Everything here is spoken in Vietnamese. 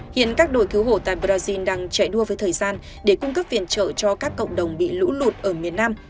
hiện các đội cứu hộ tại brazil đang chạy đua với thời gian để cung cấp viện trợ cho các cộng đồng bị lũ lụt ở miền nam